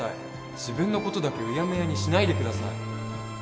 自分のことだけうやむやにしないでください